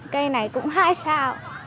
cây này cũng hai sao